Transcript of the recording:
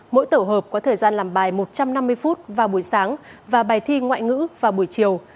mỗi tổ hợp có thời gian làm bài một trăm năm mươi phút vào buổi sáng và bài thi ngoại ngữ vào buổi chiều